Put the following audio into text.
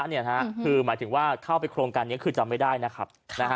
คือหมายถึงว่าเข้าไปโครงการนี้คือจำไม่ได้นะครับ